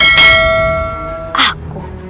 aku akan menjalankan